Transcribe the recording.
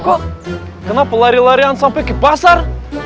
kok kenapa lari larian sampai ke pasar